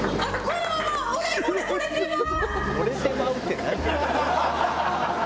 「“折れてまう”って何？」